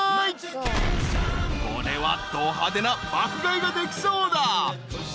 ［これはど派手な爆買いができそうだ］